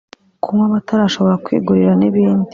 kunywa batarashobora kwigurira n’ibindi.